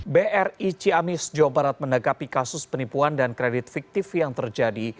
bri ciamis jawa barat menanggapi kasus penipuan dan kredit fiktif yang terjadi